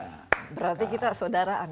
berarti kita saudaraan